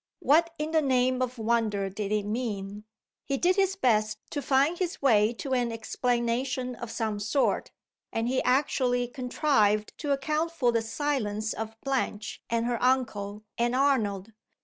What in the name of wonder did it mean? He did his best to find his way to an explanation of some sort; and he actually contrived to account for the silence of Blanche and her uncle, and Arnold.